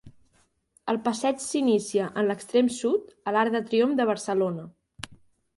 El passeig s'inicia, en l'extrem sud, a l'Arc de Triomf de Barcelona.